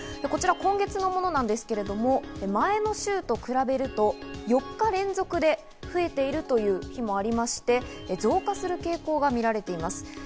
こちら今月のものなんですけれども、前の週と比べると、４日連続で増えているという日もありまして、増加する傾向がみられています。